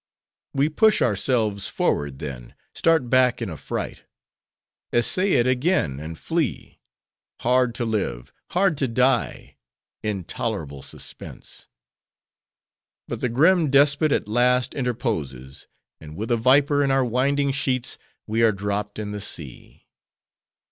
We push ourselves forward then, start back in affright. Essay it again, and flee. Hard to live; hard to die; intolerable suspense! But the grim despot at last interposes; and with a viper in our winding sheets, we are dropped in the sea."